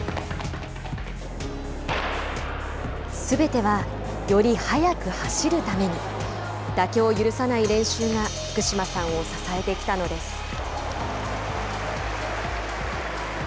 すべては、より速く走るために妥協を許さない練習が福島さんを支えてきたのです。